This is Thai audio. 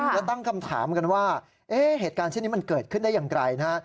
แล้วตั้งคำถามกันว่าเหตุการณ์เช่นนี้มันเกิดขึ้นได้อย่างไรนะฮะ